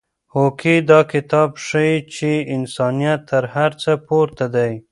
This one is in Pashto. هوکې دا کتاب ښيي چې انسانیت تر هر څه پورته دی.